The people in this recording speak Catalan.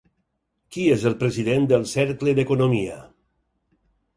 Qui és el president del Cercle d'Economia?